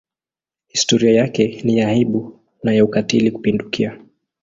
Historia yake ni ya aibu na ya ukatili kupindukia.